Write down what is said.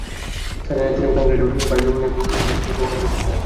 Sir জানালেন, তিনিও কংক্রিটে বাঁশ ব্যবহার নিয়ে বহু আগে প্রবন্ধ লিখেছিলেন।